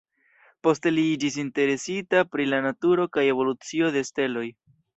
Poste li iĝis interesita pri la naturo kaj evolucio de steloj.